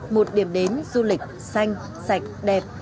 một điểm đến du lịch xanh sạch đẹp